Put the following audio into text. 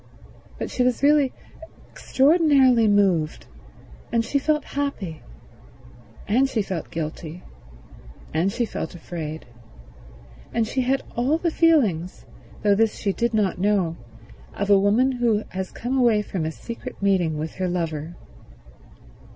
But she was really extraordinarily moved, and she felt happy, and she felt guilty, and she felt afraid, and she had all the feelings, though this she did not know, of a woman who was come away from a secret meeting with her lover.